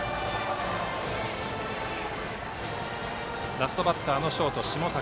ラストバッターのショート、下坂。